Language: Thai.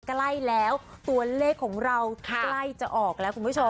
ใกล้แล้วตัวเลขของเราใกล้จะออกแล้วคุณผู้ชม